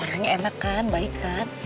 orangnya enak kan baik kan